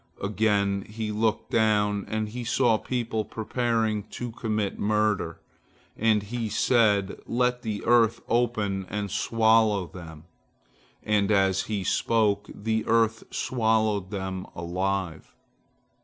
Again he looked down, and he saw people preparing to commit murder, and he said, "Let the earth open and swallow them," and, as he spoke, the earth swallowed them alive.